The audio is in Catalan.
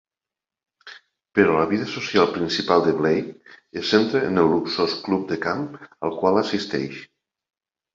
Però la vida social principal de Blake es centra en el luxós club de camp al qual assisteix.